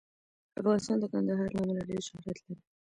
افغانستان د کندهار له امله ډېر شهرت لري.